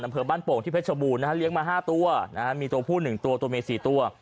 อำเภอบ้านโป่งที่เพชรบูรณนะฮะเลี้ยงมา๕ตัวนะฮะมีตัวผู้๑ตัวตัวเม๔ตัว